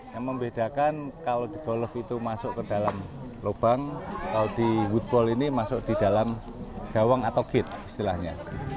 yang membedakan kalau di golf itu masuk ke dalam lubang kalau di woodball ini masuk di dalam gawang atau gate istilahnya